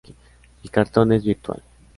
El cartón es virtual.